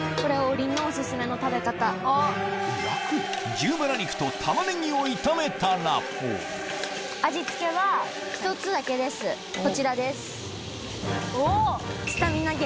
牛バラ肉とタマネギを炒めたらこちらです。